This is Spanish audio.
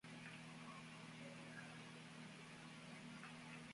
En España está prohibida su pesca deportiva, solo captura y suelta con permisos especiales.